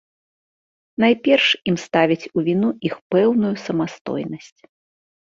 Найперш ім ставяць у віну іх пэўную самастойнасць.